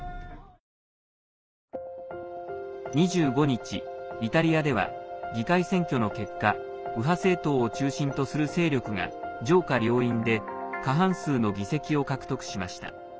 ２５ 日、イタリアでは議会選挙の結果右派政党を中心とする勢力が上下両院で過半数の議席を獲得しました。